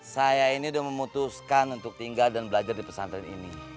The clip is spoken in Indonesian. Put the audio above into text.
saya ini sudah memutuskan untuk tinggal dan belajar di pesantren ini